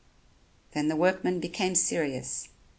Then the workman became serious.